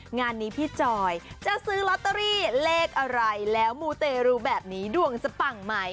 งานนี้พี่จอยจะซื้อลอตเตอรี่เลขอะไรแล้วมูเตรูแบบนี้ดวงจะปังไหม